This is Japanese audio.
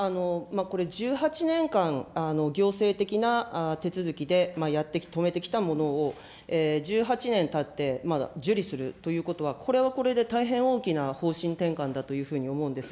これ、１８年間行政的な手続きでやって、止めてきたものを、１８年たって、受理するということはこれはこれで大変大きな方針転換だというふうに思うんです。